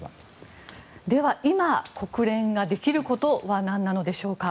では、今国連ができることは何なのでしょうか。